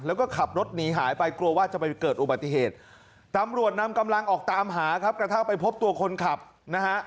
แล้วก็ขับรถหนีหายไปกลัวว่าจะไปเกิดอุบัติเหตุตำรวจนำกำลังออกตามหาครับกระทั่งไปพบตัวคนขับนะฮะ